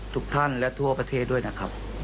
ทุกท่านและทั่วประเทศด้วยนะครับ